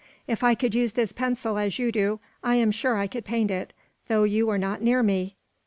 If I could use this pencil as you do, I am sure I could paint it, though you were not near me!